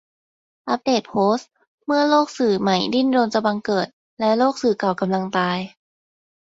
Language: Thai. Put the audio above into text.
อัปเดตโพสต์ "เมื่อโลกสื่อใหม่ดิ้นรนจะบังเกิด และโลกสื่อเก่ากำลังตาย ?"